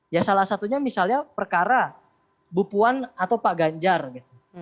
ya salah satunya misalnya perkara bupuan atau pak ganjar gitu